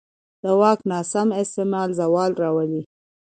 د واک ناسم استعمال زوال راولي